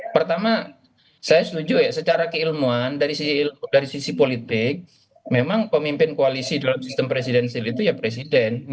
pertama saya setuju ya secara keilmuan dari sisi politik memang pemimpin koalisi dalam sistem presidensil itu ya presiden